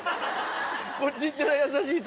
こっち行ったら優しい人。